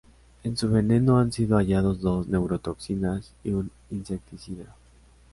En su veneno han sido hallados dos neurotoxinas y un insecticida.